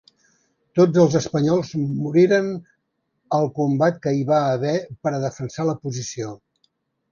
Tots els espanyols moriren al combat que hi va haver per a defensar la posició.